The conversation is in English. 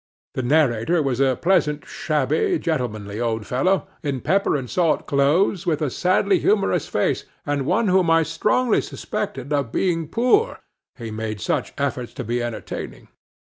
The narrator was a pleasant, shabby, gentlemanly old fellow, in pepper and salt clothes, with a sadly humourous face, and one whom I strongly suspected of being poor he made such efforts to be entertaining.